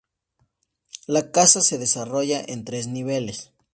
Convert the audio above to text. La casa se desarrolla en tres niveles.